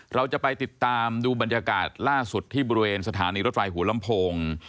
เราจะไปติดตามดูบรรยากาศล่าสุดที่บริเวณสถานีรถไฟหัวลำโพง